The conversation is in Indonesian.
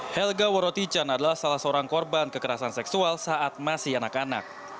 helga worotican adalah salah seorang korban kekerasan seksual saat masih anak anak